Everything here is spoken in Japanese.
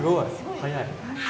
早い。